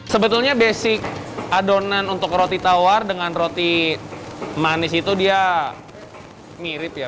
sebetulnya basic adonan untuk roti tawar dengan roti manis itu dia mirip ya